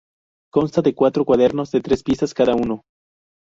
Consta de cuatro cuadernos de tres piezas cada uno.